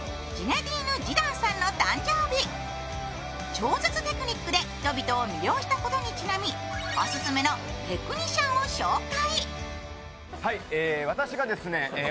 超絶テクニックで人々を魅了したことにちなみオススメのテクニシャンを紹介。